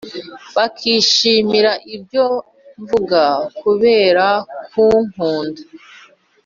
Bakishimira ibyo mvuga kubera kunkunda